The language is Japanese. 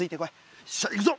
よっしゃ行くぞ。